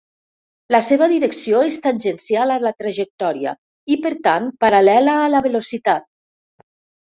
La seva direcció és tangencial a la trajectòria i, per tant, paral·lela a la velocitat.